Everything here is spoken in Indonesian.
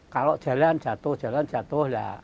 kalau jalan jatuh jalan jatuh lah